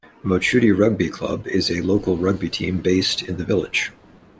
Mochudi Rugby Club is a local rugby team based in the village.